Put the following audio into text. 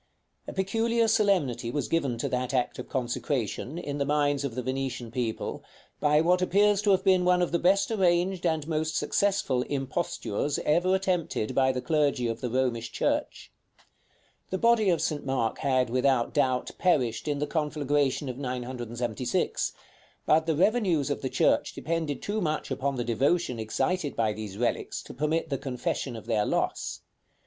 A peculiar solemnity was given to that act of consecration, in the minds of the Venetian people, by what appears to have been one of the best arranged and most successful impostures ever attempted by the clergy of the Romish church. The body of St. Mark had, without doubt, perished in the conflagration of 976; but the revenues of the church depended too much upon the devotion excited by these relics to permit the confession of their loss.